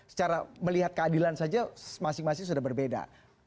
secara melihat keadilan saja masing masing sudah berbeda